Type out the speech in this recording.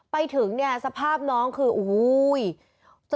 ไปถึงสภาพน้องคือโอ้โฮ